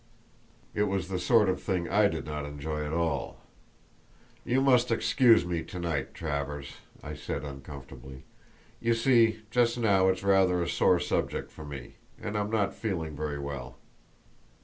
It was the sort of thing I did not enjoy at all. "You must excuse me to night, Travers," I said, uncomfortably; "you see, just now it's rather a sore subject for me, and I'm not feeling very well!"